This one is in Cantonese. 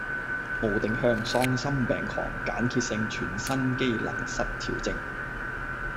無定向喪心病狂間歇性全身機能失調症